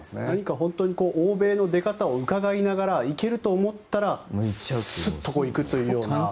何か本当に欧米の出方をうかがいながら行けると思ったらスッと行くというような。